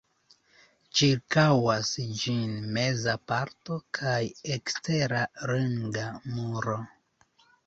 Ĉirkaŭas ĝin meza parto kaj ekstera ringa muro.